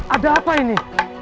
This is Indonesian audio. ada apa ini